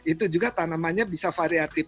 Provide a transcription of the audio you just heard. itu juga tanamannya bisa variatif